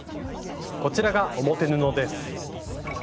こちらが表布です。